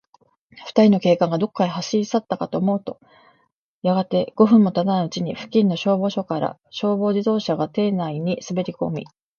ふたりの警官が、どこかへ走りさったかと思うと、やがて、五分もたたないうちに、付近の消防署から、消防自動車が邸内にすべりこみ、